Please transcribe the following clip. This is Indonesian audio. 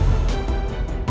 kalo kamu mau ngasih tau